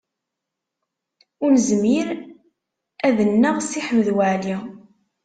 Ur nezmir ad nneɣ Si Ḥmed Waɛli.